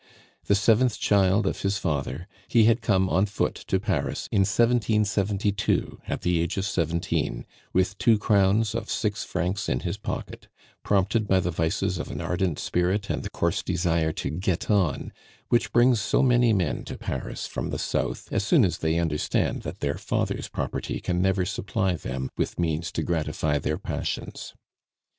The seventh child of his father, he had come on foot to Paris in 1772 at the age of seventeen, with two crowns of six francs in his pocket, prompted by the vices of an ardent spirit and the coarse desire to "get on," which brings so many men to Paris from the south as soon as they understand that their father's property can never supply them with means to gratify their passions.